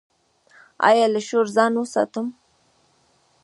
ایا له شور ځان وساتم؟